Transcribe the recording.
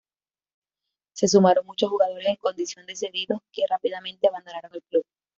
Se sumaron muchos jugadores en condición de cedidos que rápidamente abandonaron el club.